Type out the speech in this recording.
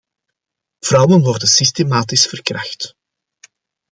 Vrouwen worden systematisch verkracht.